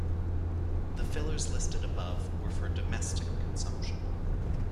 The fillers listed above were for domestic consumption.